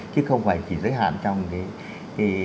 chứ không phải chỉ giới hạn trong cái